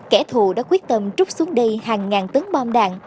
kẻ thù đã quyết tâm trúc xuống đây hàng ngàn tấn bom đạn